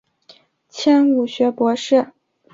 迁武学博士。